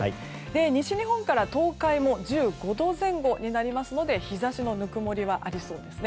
西日本から東海も１５度前後になりますので日差しのぬくもりはありそうですね。